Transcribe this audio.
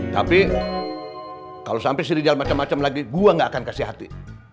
tapi kalau sampai sini jalan macam macam lagi gue gak akan kasih hati